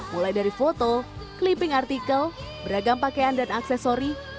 mulai dari foto clipping artikel beragam pakaian dan aksesori